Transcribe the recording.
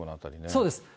そうです。